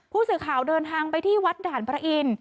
ผู้สื่อข่าวเดินทางไปที่วัดด่านพระอินทร์